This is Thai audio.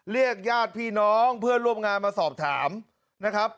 ญาติพี่น้องเพื่อนร่วมงานมาสอบถามนะครับ